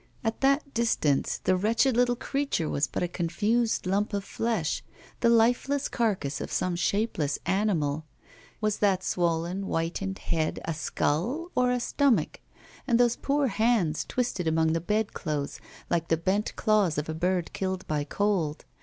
At that distance the wretched little creature was but a confused lump of flesh, the lifeless carcase of some shapeless animal. Was that swollen, whitened head a skull or a stomach? And those poor hands twisted among the bedclothes, like the bent claws of a bird killed by cold!